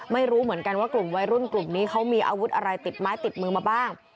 ไม่รู้เหมือนกันว่ากลุ่มวัยรุ่นกลุ่มนี้เขามีอาวุธอะไรติดไม้ติดมือมาบ้าง